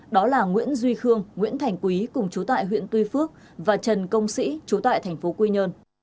đó là nguyễn duy khương nguyễn thành quý cùng chú tại huyện tuy phước và trần công sĩ chú tại tp quy nhơn